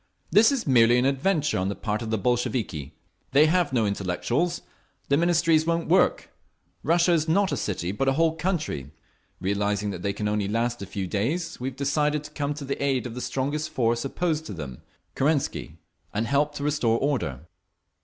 "This is merely an adventure on the part of the Bolsheviki. They have no intellectuals…. The Ministries won't work…. Russia is not a city, but a whole country…. Realising that they can only last a few days, we have decided to come to the aid of the strongest force opposed to them—Kerensky—and help to restore order."